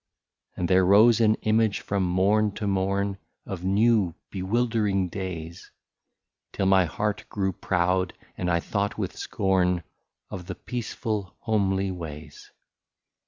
And there rose an image from morn to morn Of new bewildering days, Till my heart grew proud, and I thought with scorn Of the peaceful homely ways.